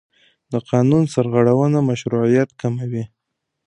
د قانون سرغړونه مشروعیت کموي